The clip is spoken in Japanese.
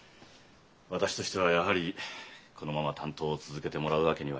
私としてはやはりこのまま担当を続けてもらうわけにはいかない。